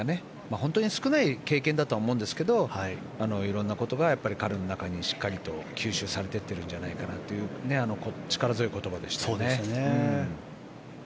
本当に少ない経験だと思いますがいろんなことが彼の中にしっかりと吸収されているんじゃないかなという力強い言葉でしたよね。